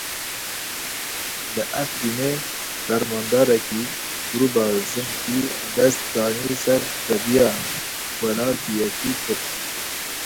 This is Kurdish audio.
Li Efrînê Fermandarekî grûpa Zinkî dest danî ser zeviya welatiyekî Kurd.